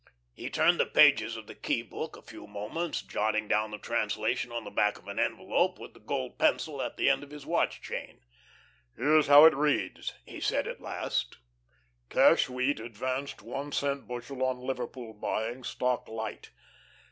He turned the pages of the key book a few moments, jotting down the translation on the back of an envelope with the gold pencil at the end of his watch chain. "Here's how it reads," he said at last. "'Cash wheat advanced one cent bushel on Liverpool buying, stock light.